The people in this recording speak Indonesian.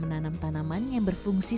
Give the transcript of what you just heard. penanal kepala hutan tinus